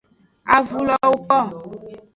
Avulo wogo.